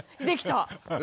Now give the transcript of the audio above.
できた。